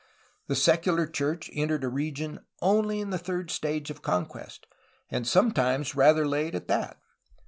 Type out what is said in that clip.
The secular church entered a region only in the third stage of conquest, and sometimes rather late in that.